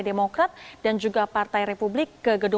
kemudian di dalam perjalanan ke negara